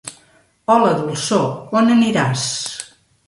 Hola, dolçor, on aniràs?